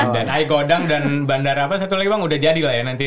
dan air kodang dan bandara apa satu lagi bang udah jadi lah ya nanti